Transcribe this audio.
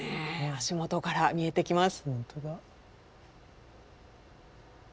足元から見えてきます。